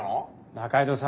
仲井戸さん。